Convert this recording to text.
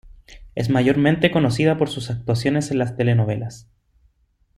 Es mayormente conocida por sus actuaciones en las telenovelas.